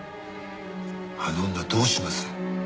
あの女どうします？